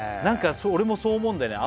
俺もそう思うんだよね